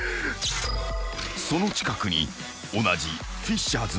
［その近くに同じフィッシャーズのモトキ］